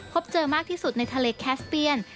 พบเจอมากที่สุดในทะเลแคสเปียน